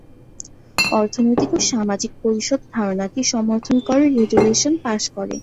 অর্থনৈতিক ও সামাজিক পরিষদ ধারণাটি সমর্থন করে রেজুলেশন পাস করে।